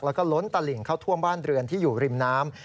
แล้วก็ล้นตลิ่งเข้าท่วมบ้านเรือนที่อยู่ริมน้ำ